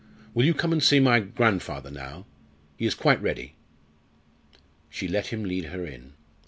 Will you come and see my grandfather now? He is quite ready." She let him lead her in.